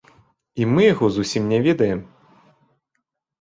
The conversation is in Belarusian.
І мы яго зусім не ведаем.